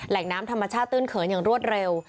แหล่งน้ำธรรมชาติตื้นเขินอย่างรวดเร็ว